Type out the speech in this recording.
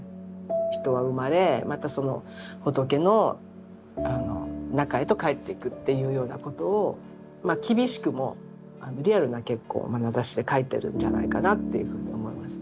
人は生まれまたその仏の中へと帰っていくっていうようなことをまあ厳しくもリアルな結構まなざしで描いてるんじゃないかなっていうふうに思います。